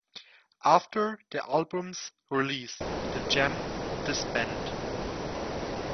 After the album's release, the Jam disbanded.